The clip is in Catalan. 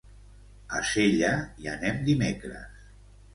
A Sella hi anem dimecres.